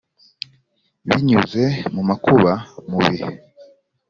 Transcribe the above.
Binyuze mu makuba mu bihe